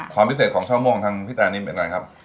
ความพิเศษของชาวโม่งทางพี่แตนนี้เป็นอะไรครับ